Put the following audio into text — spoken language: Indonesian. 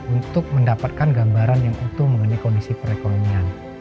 untuk mendapatkan gambaran yang utuh mengenai kondisi perekonomian